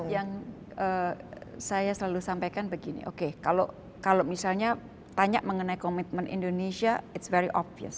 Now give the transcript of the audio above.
kelimat yang saya selalu sampaikan begini oke kalau misalnya tanya mengenai komitmen indonesia it's very obvious